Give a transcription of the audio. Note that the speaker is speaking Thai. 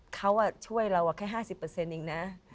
เขาช่วยเราแค่๕๐เองนะ